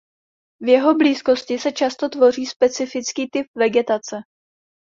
V jeho blízkosti se často tvoří specifický typ vegetace.